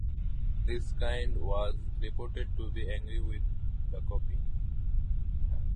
Libeskind was reported to be angry with the copying.